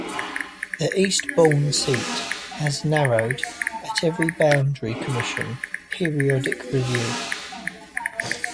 The Eastbourne seat has narrowed at every Boundary Commission Periodic Review.